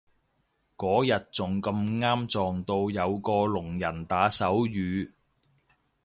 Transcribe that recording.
嗰日仲咁啱撞到有個聾人打手語